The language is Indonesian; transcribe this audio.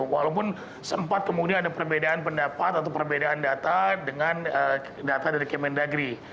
walaupun sempat kemudian ada perbedaan pendapat atau perbedaan data dengan data dari kemendagri